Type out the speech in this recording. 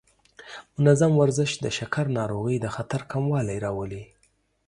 منظم ورزش د شکر ناروغۍ د خطر کموالی راولي.